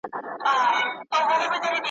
راځه ولاړ سو له دې ښاره مرور سو له جهانه ,